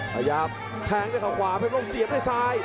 ขยับแทงด้วยเข้าขวาเผ็ดบนร่มเสียไปซ้าย